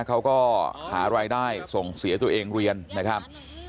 เขาก็หารายได้ส่งเสียตัวเองเรียนนะครับ